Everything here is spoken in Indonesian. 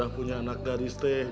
apa yang naterasih